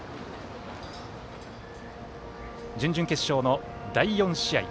準々決勝の第４試合。